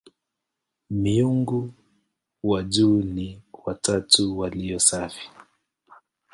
Miungu wa juu ni "watatu walio safi".